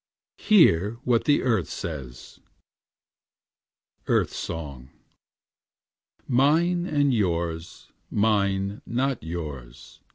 Hear what the Earth says: EARTH SONG 'Mine and yours; Mine, not yours.